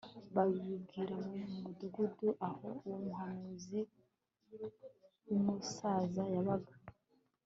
babibwira abo mu mudugudu aho uwo muhanuzi wumusaza yabaga